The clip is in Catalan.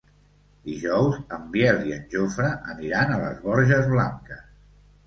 Dijous en Biel i en Jofre aniran a les Borges Blanques.